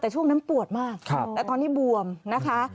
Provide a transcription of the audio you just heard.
แต่ช่วงนั้นปวดมากแต่ตอนนี้บวมนะคะ